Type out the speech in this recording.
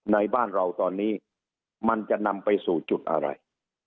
ในบ้านเราตอนนี้มันจะนำไปสู่จุดอะไร